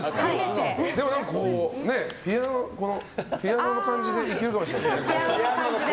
でもピアノの感じでいけるかもしれないですね。